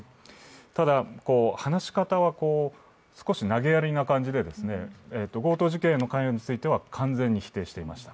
ただ、話し方は少し投げやりな感じで、強盗事件への関与については完全に否定していました。